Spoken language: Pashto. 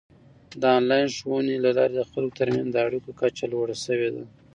د آنلاین ښوونې له لارې د خلکو ترمنځ د اړیکو کچه لوړه شوې ده.